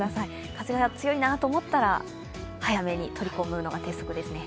風が強いなと思ったら、早めに取り込むのが鉄則ですね。